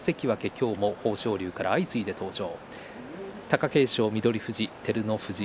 今日も豊昇龍から相次いで登場。